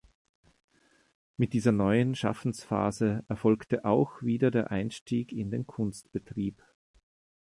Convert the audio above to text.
Mit dieser neuen Schaffensphase erfolgte auch wieder der Einstieg in den Kunstbetrieb.